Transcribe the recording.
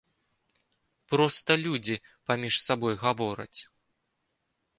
Проста людзі паміж сабой гавораць.